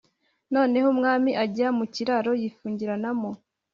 noneho umwami ajya mu kiraro yifungiranamo,